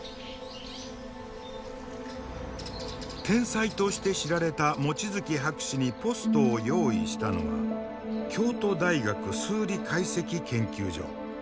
天才として知られた望月博士にポストを用意したのは京都大学数理解析研究所。